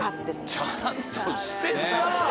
ちゃんとしてんな。